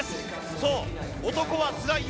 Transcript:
そう、「男はつらいよ」。